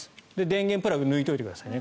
電源プラグを抜いておいてくださいね。